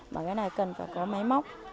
và cái này cần phải có máy móc